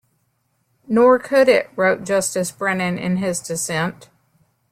Nor could it, wrote Justice Brennan in his dissent.